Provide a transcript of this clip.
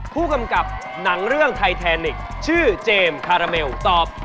ผู้กำกับหนังเรื่องไทยแทนิกชื่อเจมส์คาราเมลตอบ